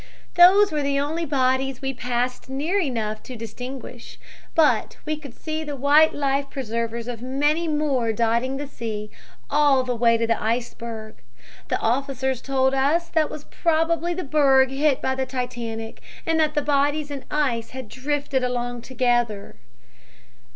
"Those were the only bodies we passed near enough to distinguish, but we could see the white life preservers of many more dotting the sea, all the way to the iceberg. The officers told us that was probably the berg hit by the Titanic, and that the bodies and ice had drifted along together."